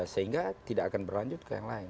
sehingga tidak akan berlanjut ke yang lain